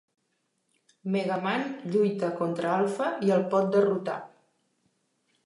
Megaman lluita contra Alpha i el pot derrotar.